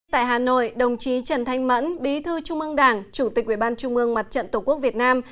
tại hà nội đồng chí trần thanh mẫn bí thư trung mương đảng chủ tịch ubnd mặt trận tổ quốc việt nam